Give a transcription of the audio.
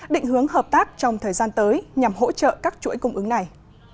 định hướng hợp tác trong thời gian tới nhằm hỗ trợ các chuỗi cung ứng này